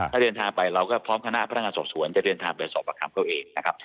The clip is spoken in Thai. ถ้าเดินทางไปเราก็พร้อมคณะพนักงานสอบสวนจะเดินทางไปสอบประคัมเขาเองนะครับ